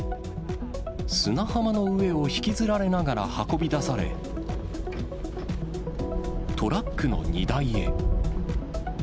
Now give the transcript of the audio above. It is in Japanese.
砂浜の上を引きずられながら運び出され、トラックの荷台へ。